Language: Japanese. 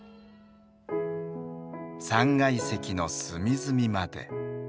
３階席の隅々まで。